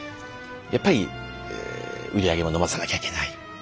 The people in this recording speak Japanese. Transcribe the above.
やっぱり売り上げも伸ばさなきゃいけない。